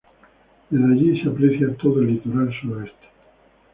Desde allí se aprecia todo el litoral suroeste.